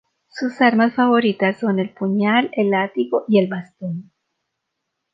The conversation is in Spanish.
Sus armas favoritas son el puñal, el látigo y el bastón.